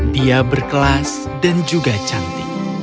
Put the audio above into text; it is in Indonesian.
dia berkelas dan juga cantik